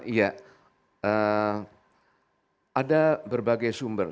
iya ada berbagai sumber